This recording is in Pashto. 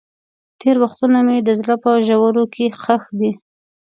تېر وختونه مې د زړه په ژورو کې ښخ دي.